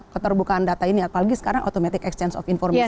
keterbukaan data ini apalagi sekarang automatic exchange of information